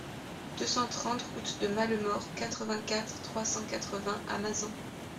deux cent trente route de Malemort, quatre-vingt-quatre, trois cent quatre-vingts à Mazan